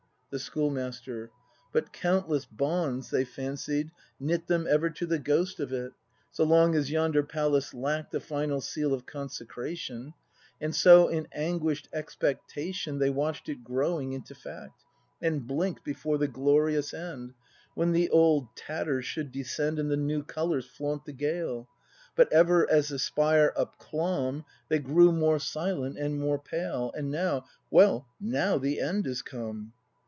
The Schoolmaster. But countless bonds, they fancied, knit Them ever to the ghost of it. So long as yonder Palace lack'd The final seal of consecration; And so in anguish'd expectation They watch'd it growing into fact. And blinked before the glorious End, When the old tatter should descend And the new colours flaunt the gale. But ever as the spire upclomb They grew more silent and more pale, And now, — well, now the End is come.